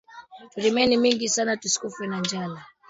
Turimeni mingi sana tushikufwe na njala